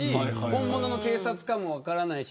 本物の警察かも分からない。